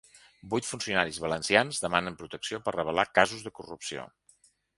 Vuit funcionaris valencians demanen protecció per revelar casos de corrupció.